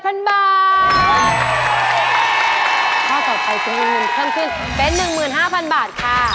ข้าวต่อไปชิ้นนางงนขึ้นขึ้นเป็น๑๕๐๐๐บาทค่ะ